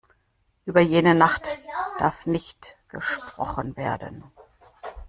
Über jene Nacht darf nicht gesprochen werden.